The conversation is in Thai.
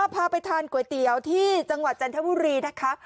พาไปทานก๋วยเตี๋ยวที่จังหวัดจันทบุรีนะคะ